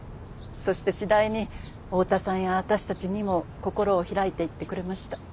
そして次第に大多さんや私たちにも心を開いていってくれました。